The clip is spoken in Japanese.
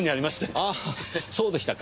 ああそうでしたか。